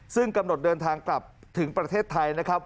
ซึ่งกำหนดเดินทางกลับถึงประเทศไทยนะครับ